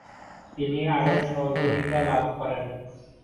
তিনি আরও সহযোগিতা লাভ করেন।